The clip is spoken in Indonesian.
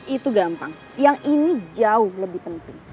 itu gampang yang ini jauh lebih penting